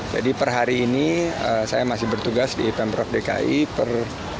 jadi per hari ini saya masih bertugas di pemprov dki per dua belas lima puluh dua